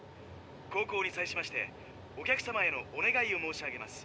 航行に際しましてお客様へのお願いを申し上げます」。